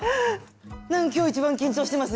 なんか今日一番緊張してます。